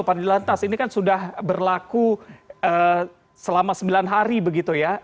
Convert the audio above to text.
pak di lantas ini kan sudah berlaku selama sembilan hari begitu ya